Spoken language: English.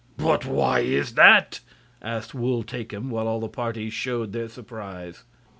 "But why is that?" asked Wul Takim, while all the party showed their surprise.